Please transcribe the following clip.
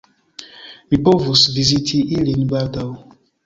Mi povus viziti ilin baldaŭ.